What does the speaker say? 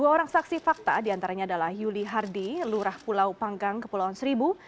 dua orang saksi fakta diantaranya adalah yuli hardy lurah pulau panggang kepulauan seribu